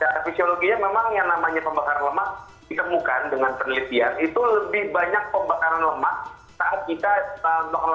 secara fisiologinya memang memang lebih efektif untuk membakar lemak dok